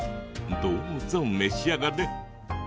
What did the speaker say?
どうぞ召し上がれ。